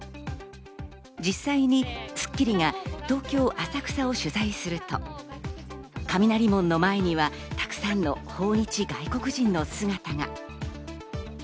実際に『スッキリ』が東京・浅草を取材すると、雷門の前にはたくさんの訪日外国人の姿が。